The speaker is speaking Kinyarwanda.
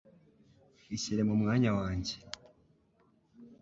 Ishyire mu mwanya wanjye.